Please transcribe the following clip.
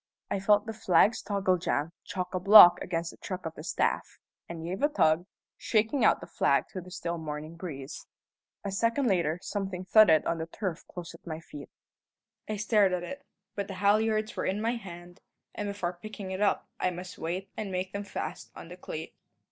I felt the flag's toggle jam chock a block against the truck of the staff, and gave a tug, shaking out the flag to the still morning breeze. A second later something thudded on the turf close at my feet. I stared at it; but the halliards were in my hand, and before picking it up I must wait and make them fast on the cleat.